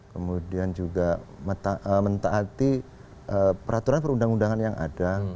kemudian juga mentaati peraturan perundang undangan yang ada